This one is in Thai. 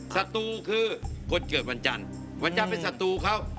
ศัตรูคือคนเกิดวันจันทร์วันจันทร์เป็นศัตรูเขา